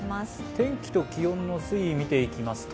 天気と気温の推移、見ていきます